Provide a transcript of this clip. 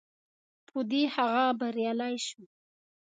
په دې هغه بریالی شو.